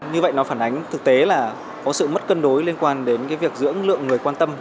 như vậy nó phản ánh thực tế là có sự mất cân đối liên quan đến việc dưỡng lượng người quan tâm